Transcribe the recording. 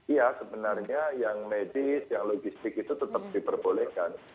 iya sebenarnya yang medis yang logistik itu tetap diperbolehkan